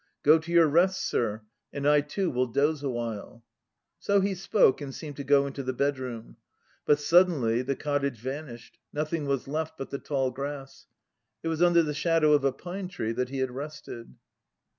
Go to your rest, Sir; and I too will doze awhile." So he spoke, and seemed to go into the bedroom. But suddenly the cottage vanished: nothing was left but the tall grass. It was under the shadow of a pine tree that he 4 had rested!